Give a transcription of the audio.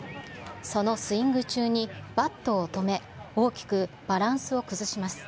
そのスイング中にバットを止め、大きくバランスを崩します。